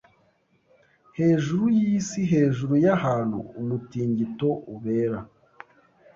hejuru y’isi hejuru y’ahantu umutingito ubera